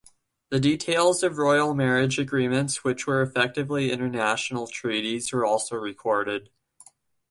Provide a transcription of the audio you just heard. The details of royal marriage agreements, which were effectively international treaties, were also recorded.